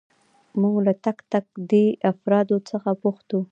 موږ له تک تک دې افرادو څخه پوښتو.